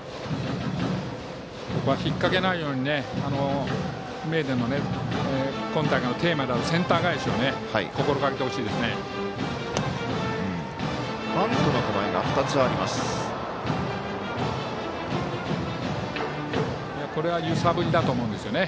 引っ掛けないように名電の今回のテーマであるセンター返しを心がけてほしいですね。